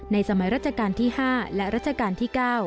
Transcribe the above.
สมัยรัชกาลที่๕และรัชกาลที่๙